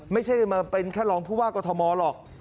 ไม่ใช่มาเป็นแค่รองผู้ว่ากอทมหรอก